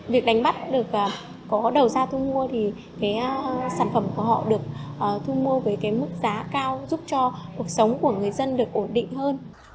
việc đánh bắt được có đầu ra thu mua thì cái sản phẩm của họ được thu mua với cái mức giá cao giúp cho cuộc sống của người dân được ổn định hơn